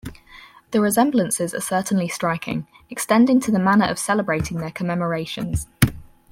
The resemblances are certainly striking, extending to the manner of celebrating their commemorations.